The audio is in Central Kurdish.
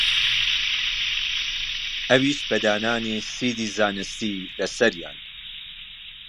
ئەویش بە دانانی سیدی زانستی لەسەریان